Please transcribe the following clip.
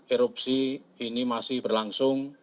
erupsi ini masih berlangsung